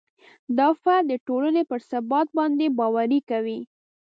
دا فرد د ټولنې پر ثبات باندې باوري کوي.